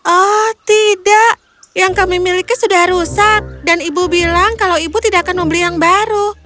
oh tidak yang kami miliki sudah rusak dan ibu bilang kalau ibu tidak akan membeli yang baru